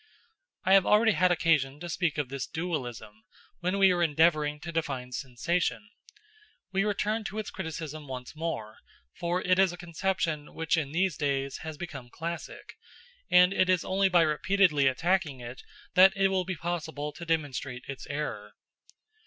I have already had occasion to speak of this dualism, when we were endeavouring to define sensation. We return to its criticism once more, for it is a conception which in these days has become classic; and it is only by repeatedly attacking it that it will be possible to demonstrate its error.